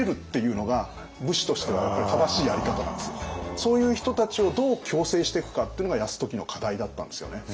そういう人たちをどう矯正していくかっていうのが泰時の課題だったんですよね。